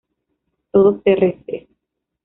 Todos terrestres.